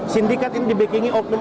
sindikat ini dibekini oknum